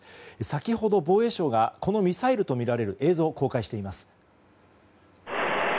先ほど、防衛省がこのミサイルとみられる映像を公開しています。